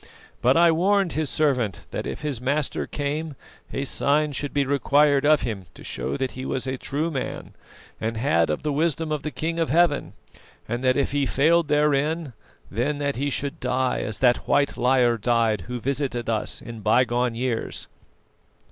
But I warned his servant that if his master came, a sign should be required of him to show that he was a true man, and had of the wisdom of the King of Heaven; and that if he failed therein, then that he should die as that white liar died who visited us in bygone years.